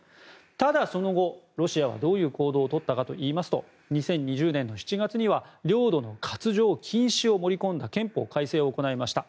ただ、その後ロシアはどういう行動を取ったかといいますと２０２０年の７月には領土の割譲禁止を盛り込んだ憲法改正を行いました。